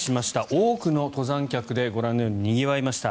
多くの登山客でご覧のようににぎわいました。